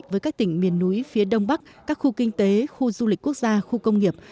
với các tỉnh miền núi phía đông bắc các khu kinh tế khu du lịch quốc gia khu công nghiệp